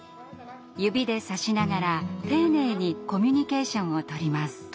指でさしながら丁寧にコミュニケーションをとります。